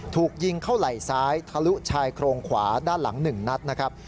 ถูกยิงเข้าไหล่ซ้ายทะลุชายโครงขวาด้านหลัง๑นัดนะครับ